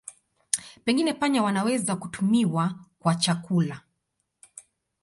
Pengine panya wanaweza kutumiwa kwa chakula.